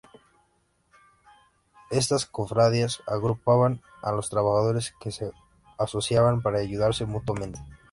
Estas cofradías agrupaban a los trabajadores que se asociaban para ayudarse mutuamente.